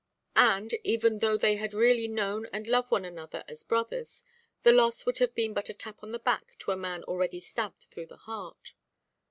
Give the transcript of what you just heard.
And, even though they had really known and loved one another as brothers, the loss would have been but a tap on the back to a man already stabbed through the heart.